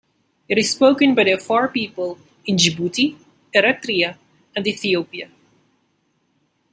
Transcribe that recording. It is spoken by the Afar people in Djibouti, Eritrea and Ethiopia.